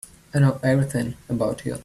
I know everything about you.